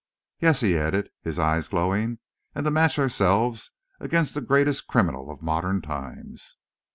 Yes!" he added, his eyes glowing, "and to match ourselves against the greatest criminal of modern times!"